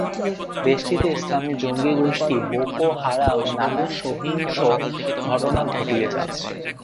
দেশটিতে ইসলামি জঙ্গি গোষ্ঠী বোকো হারাম নানা সহিংস ঘটনা ঘটিয়ে যাচ্ছে।